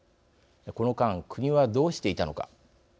この間、国はどうしていたのか。